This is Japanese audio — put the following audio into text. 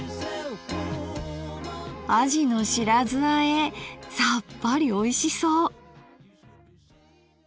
あじの白酢あえさっぱりおいしそう。